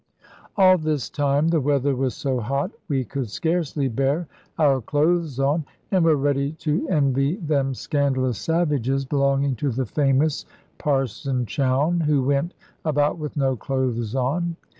"All this time the weather was so hot we could scarcely bear our clothes on, and were ready to envy them scandalous savages belonging to the famous Parson Chowne, who went about with no clothes on.